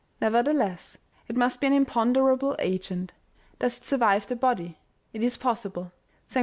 Nevertheless, it must be an imponderable agent. Does it survive the body ? It is possible. St.